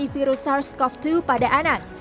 virus sars cov dua pada anak